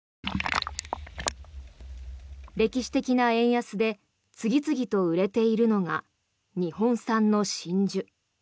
歴史的な円安で次々と売れているのが日本産の真珠。